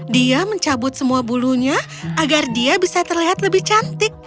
dia mencabut semua bulunya agar dia bisa terlihat lebih cantik